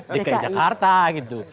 dki jakarta gitu